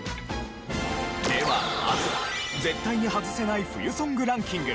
ではまず絶対にハズせない冬ソングランキング。